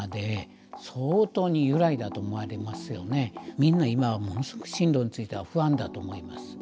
みんな今はものすごく進路については不安だと思います。